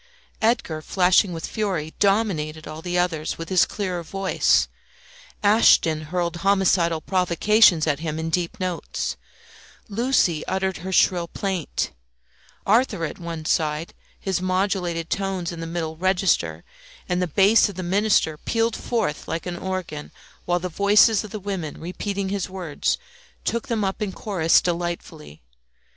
Edgar, flashing with fury, dominated all the others with his clearer voice; Ashton hurled homicidal provocations at him in deep notes; Lucie uttered her shrill plaint, Arthur at one side, his modulated tones in the middle register, and the bass of the minister pealed forth like an organ, while the voices of the women repeating his words took them up in chorus delightfully.